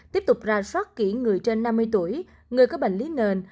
tiếp tục ra soát kỹ người trên năm mươi tuổi người có bệnh lý nền